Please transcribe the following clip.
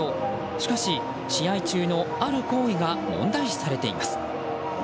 しかし、試合中のある行為が問題視されています。